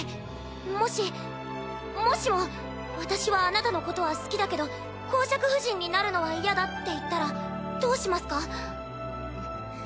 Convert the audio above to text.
もしもしも「私はあなたのことは好きだけど侯爵夫人になるのは嫌だ」って言ったらどうしますか？